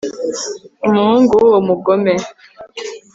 umuhungu w'uwo mugome